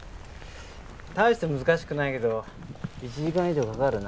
大して難しくないけど１時間以上かかるな。